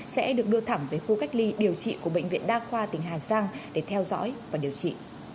sẽ được đưa thẳng về khu cách ly điều trị của bệnh viện đa khoa tỉnh hà giang để theo dõi và điều trị